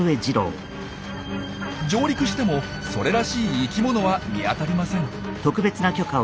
上陸してもそれらしい生きものは見当たりません。